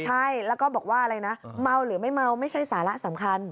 ใช่แล้วก็บอกว่าอะไรนะเมาหรือไม่เมาไม่ใช่สาระสำคัญ